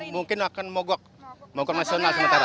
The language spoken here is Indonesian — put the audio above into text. mungkin akan mogok mogok nasional sementara